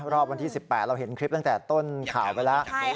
รอบวันที่๑๘เราเห็นคลิปตั้งแต่ต้นข่าวไปแล้ว